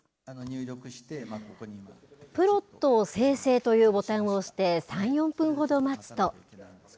プロットを生成というボタンを押して、３、４分ほど待つと。